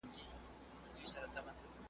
او « د سیند پرغاړه» .